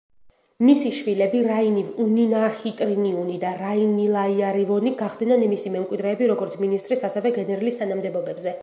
მისი შვილები რაინივუნინაჰიტრინიუნი და რაინილაიარივონი გახდნენ მისი მემკვიდრეები როგორც მინისტრის ასევე გენერლის თანამდებობებზე.